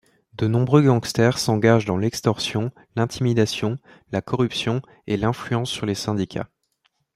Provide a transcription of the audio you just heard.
De nombreux gangsters s’engagent dans l’extorsion, l’intimidation, la corruption et l’influence sur les syndicats.